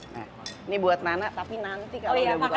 nah ini buat nana tapi nanti kalau udah buka